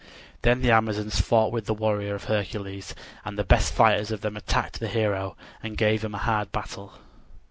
Then the Amazons fought with the warriors of Hercules, and the best fighters of them attacked the hero and gave him a hard battle.